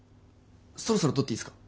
そろそろ撮っていいすか？